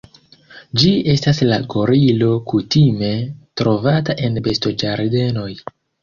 Ĝi estas la gorilo kutime trovata en bestoĝardenoj.